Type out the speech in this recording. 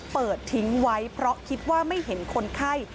เปิดทิ้งไว้เพราะคิดว่าไม่เห็นคนไข้